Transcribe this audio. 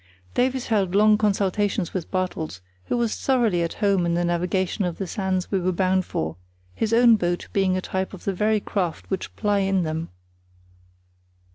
Davies held long consultations with Bartels, who was thoroughly at home in the navigation of the sands we were bound for, his own boat being a type of the very craft which ply in them.